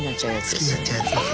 好きになっちゃうやつです